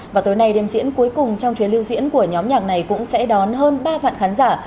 và tối nay đêm diễn cuối cùng trong chuyến lưu diễn của nhóm nhạc này cũng sẽ đón hơn ba vạn khán giả